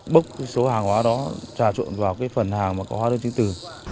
bốc số hàng hóa đó trà trộn vào cái phần hàng mà có hoa đơn chính từ